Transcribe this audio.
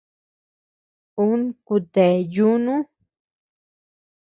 Ún kutea yunu.